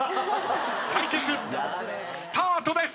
対決スタートです！